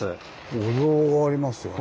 お堂がありますよね。